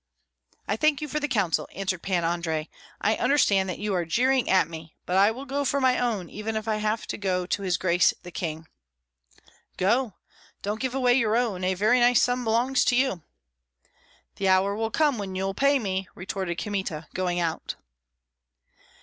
"I thank you for the counsel," answered Pan Andrei. "I understand that you are jeering at me; but I will go for my own, even if I have to go to his grace the king!" "Go! don't give away your own; a very nice sum belongs to you." "The hour will come when you'll pay me," retorted Kmita, going out.